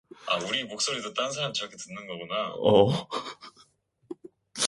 외눈까풀이는 신철이가 그의 곁으로 다가올수록 어려운 빛을 얼굴에 띠고 점점 더 물러앉는다.